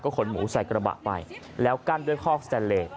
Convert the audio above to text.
ขนหมูใส่กระบะไปแล้วกั้นด้วยคอกสแตนเลส